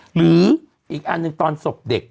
หรืออีกอันหนึ่งตอนศพเด็ก